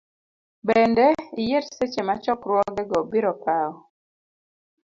Bende, iyier seche ma chokruogego biro kawo .